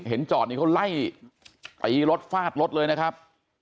จอดนี่เขาไล่ตีรถฟาดรถเลยนะครับ